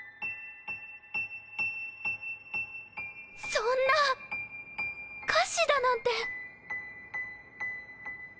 そんな下賜だなんて。